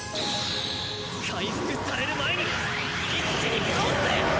回復される前に一気に倒すぜ！